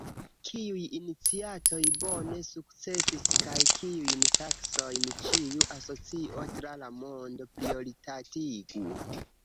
Kiuj iniciatoj bone sukcesis kaj kiujn taskojn ĉiu asocio tra la mondo prioritatigu?